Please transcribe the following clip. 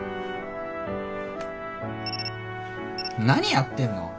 何やってんの？